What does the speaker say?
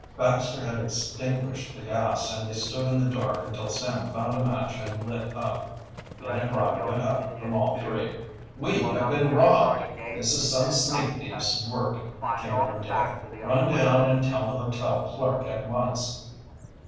Baxter had extinguished the gas and they stood in the dark until Sam found a match and lit up. Then a cry went up from all three: "We have been robbed!" "This is some sneak thief's work," came from Dick. "Run down and tell the hotel clerk at once."